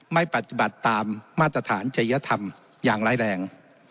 ไม่ปฏิบัติตามมาตรฐานจริยธรรมอย่างร้ายแรง